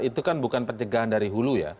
itu kan bukan pencegahan dari hulu ya